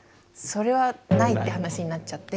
それはないって話になっちゃって。